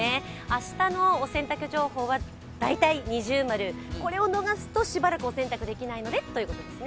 明日のお洗濯情報は大体◎、これを逃すとしばらくお洗濯できないということですね。